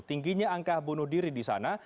tingginya angka bunuh diri di sana